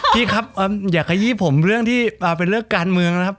พี่ครับอย่าขยี้ผมเรื่องที่เป็นเรื่องการเมืองนะครับ